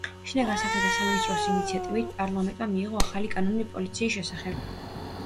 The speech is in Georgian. შინაგან საქმეთა სამინისტროს ინიციატივით, პარლამენტმა მიიღო ახალი კანონი პოლიციის შესახებ.